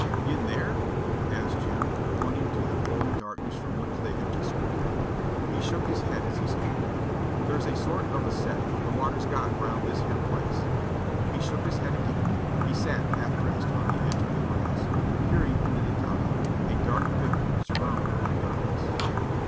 "In there?" asked Jim, pointing to the flowing darkness from which they had just scrambled. He shook his head as he spoke. "There's a sort of a set the water's got round this here place " He shook his head again; he sat half dressed on the edge of the grass, peering into the tide, a dark figure surrounded by darkness.